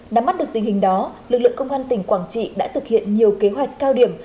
nắm mắt được tình hình đó lực lượng công an tỉnh quảng trị đã thực hiện nhiều kế hoạch cao điểm